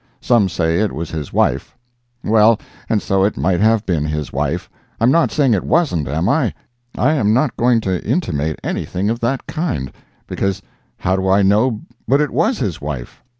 Some say it was his wife. Well, and so it might have been his wife—I'm not saying it wasn't, am I? I am not going to intimate anything of that kind—because how do I know but what it was his wife?